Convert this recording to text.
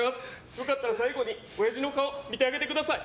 よかったら最後におやじの顔見てあげてください。